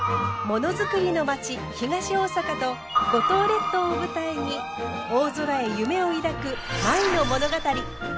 ものづくりの町東大阪と五島列島を舞台に大空へ夢を抱く舞の物語。